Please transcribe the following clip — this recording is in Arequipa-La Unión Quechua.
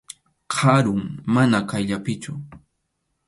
Karum, mana qayllapichu.